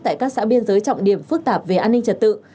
tại các xã biên giới trọng điểm phức tạp về an ninh trật tự